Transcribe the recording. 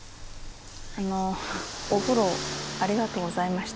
あのお風呂ありがとうございました。